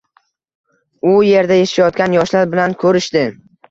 U yerda yashayotgan yoshlar bilan ko‘rishdi.